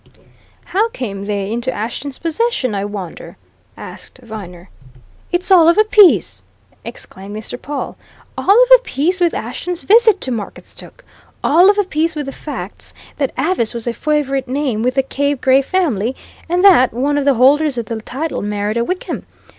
"How came they into Ashton's possession, I wonder!" asked Viner. "It's all of a piece!" exclaimed Mr. Pawle. "All of a piece with Ashton's visit to Marketstoke all of a piece with the facts that Avice was a favourite name with the Cave Gray family, and that one of the holders of the title married a Wickham.